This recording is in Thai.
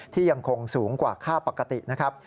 ยังคงสูงกว่าค่าปกตินะครับ